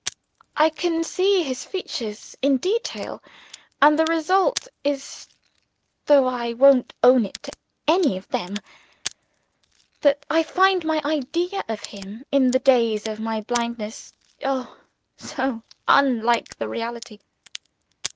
I can see his features in detail and the result is (though I won't own it to any of them) that I find my idea of him in the days of my blindness oh, so unlike the reality!